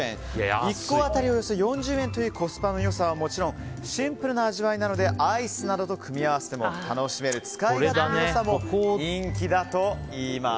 １個当たりおよそ４０円というコスパの良さはもちろんシンプルな味わいなのでアイスなどと組み合わせても楽しめる使い勝手の良さも人気だといいます。